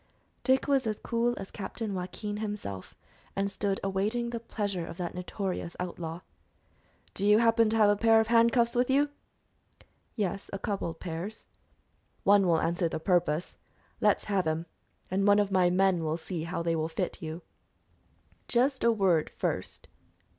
Dick was as cool as Captain Joaquin himself, and stood awaiting the pleasure of that notorious outlaw. "Do you happen to have a pair of handcuffs with you?" "Yes, a couple of pairs." "One will answer the purpose. Let's have 'em, and one of my men will see how they will fit you." "Just a word first."